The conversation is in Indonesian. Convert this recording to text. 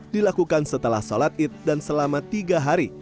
dilakukan setelah sholat id dan selama tiga hari